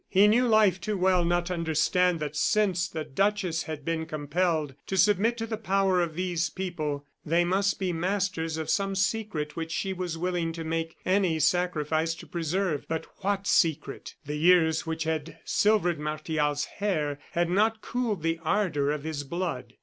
He knew life too well not to understand that since the duchess had been compelled to submit to the power of these people, they must be masters of some secret which she was willing to make any sacrifice to preserve. But what secret? The years which had silvered Martial's hair, had not cooled the ardor of his blood.